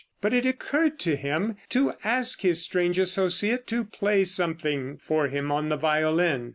But it occurred to him to ask his strange associate to play something for him on the violin.